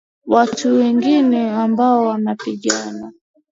watu wengine ambao wanapinga